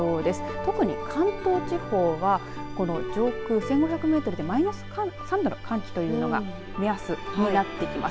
特に関東地方はこの上空１５００メートルでマイナス３度の寒気というのが目安になってきます。